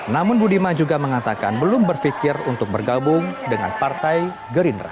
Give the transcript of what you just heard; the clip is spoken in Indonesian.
namun budiman juga mengatakan belum berpikir untuk bergabung dengan partai gerindra